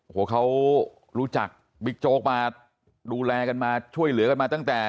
โอ้โหเขารู้จักบิ๊กโจ๊กมาดูแลกันมาช่วยเหลือกันมาตั้งแต่